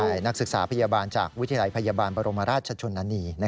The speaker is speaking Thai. ใช่นักศึกษาพยาบาลจากวิทยาลัยพยาบาลบรมราชชนนานี